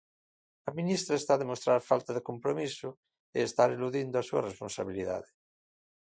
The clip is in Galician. A ministra está a demostrar falta de compromiso e estar eludindo a súa responsabilidade.